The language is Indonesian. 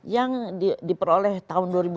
yang diperoleh tahun dua ribu satu